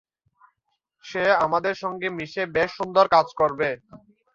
সে আমাদের সঙ্গে মিশে বেশ সুন্দর কাজ করবে।